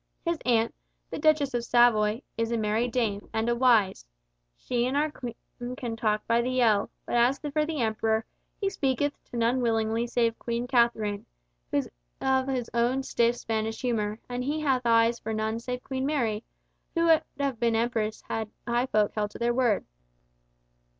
His aunt, the Duchess of Savoy, is a merry dame, and a wise! She and our King can talk by the ell, but as for the Emperor, he speaketh to none willingly save Queen Katharine, who is of his own stiff Spanish humour, and he hath eyes for none save Queen Mary, who would have been his empress had high folk held to their word.